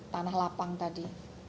tanah lapang tadi